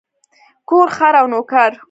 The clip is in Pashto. کور، خر او نوکر.